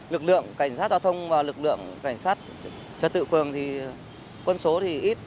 lực lượng cảnh sát giao thông và lực lượng cảnh sát trật tự phường thì quân số thì ít